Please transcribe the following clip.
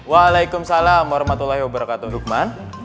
waalaikumsalam warahmatullahi wabarakatuh dukman